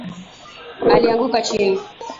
Alianguka chini